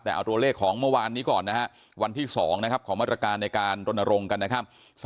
แต่เอาตัวเลขของเมื่อวานนี้ก่อนนะฮะวันที่๒นะครับของมาตรการในการรณรงค์กันนะครับ